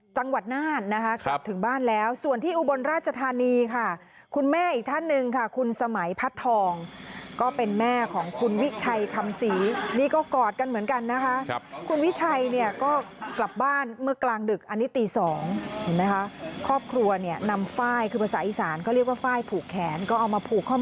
จังหวัดน่านนะคะกลับถึงบ้านแล้วส่วนที่อุบลราชธานีค่ะคุณแม่อีกท่านหนึ่งค่ะคุณสมัยพัดทองก็เป็นแม่ของคุณวิชัยคำศรีนี่ก็กอดกันเหมือนกันนะคะคุณวิชัยเนี่ยก็กลับบ้านเมื่อกลางดึกอันนี้ตีสองเห็นไหมคะครอบครัวเนี่ยนำฝ้ายคือภาษาอีสานเขาเรียกว่าไฟล์ผูกแขนก็เอามาผูกข้อ